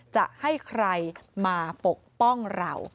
จะให้ใครมาปกป้องเรา